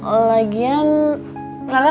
ya lainnya suka nih lho